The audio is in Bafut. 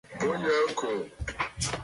Bo yǝǝ ɨkòò.